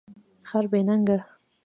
خر بی نګه